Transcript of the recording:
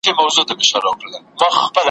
پسرلی نسته ملیاره چي رانه سې `